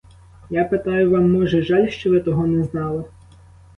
Я питаю, вам, може, жаль, що ви того не знали?